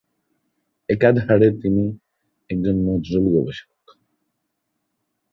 একাধারে তিনি একজন নজরুল গবেষক।